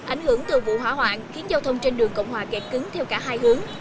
ảnh hưởng từ vụ hỏa hoạn khiến giao thông trên đường cộng hòa kẹt cứng theo cả hai hướng